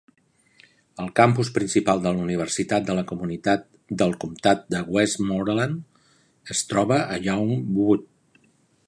El Campus principal de la Universitat de la comunitat del comtat de Westmoreland es troba a Youngwood.